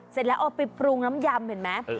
เสร็จแล้วเอาไปปรุงน้ำยำเห็นไหม